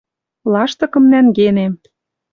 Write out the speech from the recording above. Лаштыкым нӓнгенем...»